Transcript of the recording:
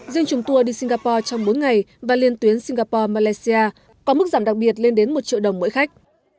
riêng trùng tour đi singapore trong bốn ngày và liên tuyến singapore malaysia có mức giảm đặc biệt lên đến một triệu đồng mỗi khách